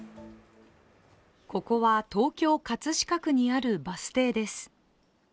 ここは東京・葛飾区にあるバス停です。